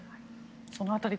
その辺りは。